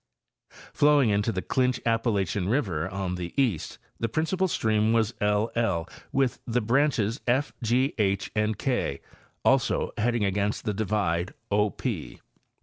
Flowing into the Clinch Appa lachian river on the east, the principal stream was LZ LZ, with the branches F, G, Hand K, also heading against the divide O P.